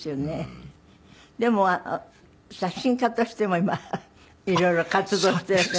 でも写真家としても今色々活動していらっしゃって。